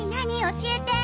教えて！